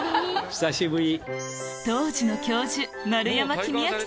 久しぶり！